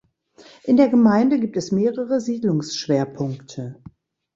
In der Gemeinde gibt es mehrere Siedlungsschwerpunkte.